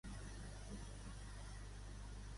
De qui es tracta els que han filtrat aquesta llista?